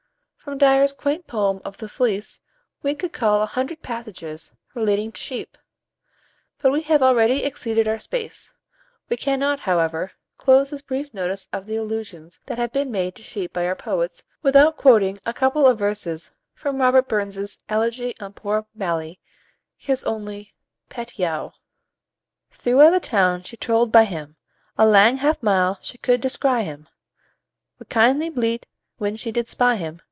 From Dyer's quaint poem of "The Fleece" we could cull a hundred passages relating to sheep; but we have already exceeded our space. We cannot, however, close this brief notice of the allusions that have been made to sheep by our poets, without quoting a couple of verses from Robert Burns's "Elegy on Poor Mailie," his only "pet yowe:" "Thro' a' the town she troll'd by him; A lang half mile she could descry him; Wi' kindly bleat, when she did spy him.